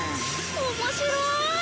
面白い！